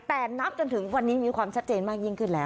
แต่นับจนถึงวันนี้มีความชัดเจนมากยิ่งขึ้นแล้ว